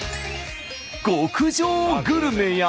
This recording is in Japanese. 極上グルメや。